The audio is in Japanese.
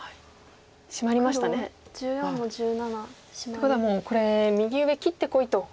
ということはもうこれ右上切ってこいと。